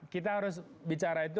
kita harus bicara itu